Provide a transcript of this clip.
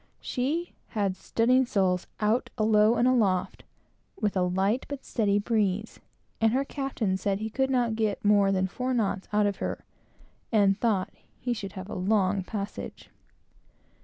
She had studding sails out alow and aloft, with a light but steady breeze, and her captain said he could not get more than four knots out of her and thought he should have a long passage.